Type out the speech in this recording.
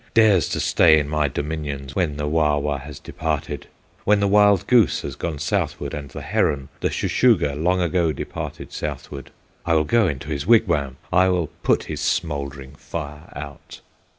Dares to stay in my dominions, When the Wawa has departed, When the wild goose has gone southward, And the heron, the Shuh shuh gah, Long ago departed southward? I will go into his wigwam, I will put his smouldering fire out!"